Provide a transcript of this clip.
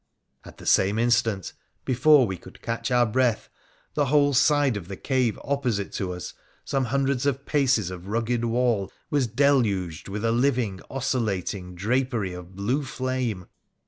At the same instant, before we could catch our breath, the whole side of the cave opposite to us, some hundreds of paces of rugged wall, was deluged with a living, oscillating drapery of blue flame